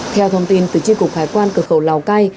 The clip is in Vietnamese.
theo thông tin từ tri cục hải quan cửa khẩu lào cai